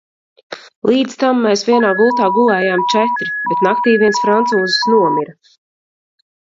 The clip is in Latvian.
Līdz tam mēs vienā gultā gulējām četri, bet naktī viens francūzis nomira.